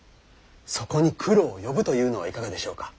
そこに九郎を呼ぶというのはいかがでしょうか。